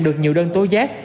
được nhiều đơn tố giác